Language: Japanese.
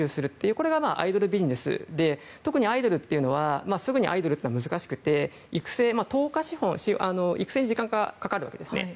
これがアイドルビジネスで特にアイドルというのはすぐにアイドルっていうのは難しくて育成に時間がかかるわけですね。